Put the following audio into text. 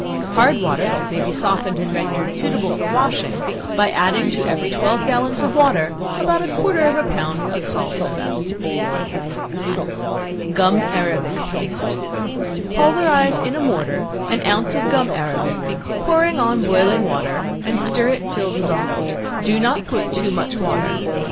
Hard water may be softened and rendered suitable for washing, by adding to every twelve gallons of water, about a quarter of a pound of sal soda. Gum Arabic Paste. Pulverize in a mortar an ounce of gum arabic, pour on boiling water and stir it till dissolved; do not put too much water.